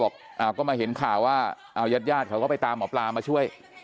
ก็มาเห็นข่าวว่าเอายาดเขาก็ไปตามหมอปลามาช่วย